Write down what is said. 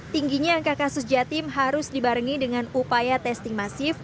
tingginya angka kasus jatim harus dibarengi dengan upaya testing masif